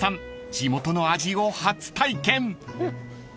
地元の味を初体験］